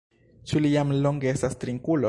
Ĉu li jam longe estas trinkulo?